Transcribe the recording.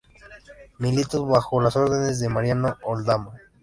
Militó bajo las órdenes de Mariano Aldama.